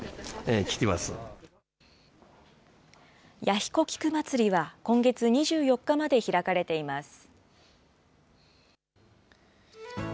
弥彦菊まつりは今月２４日まで開かれています。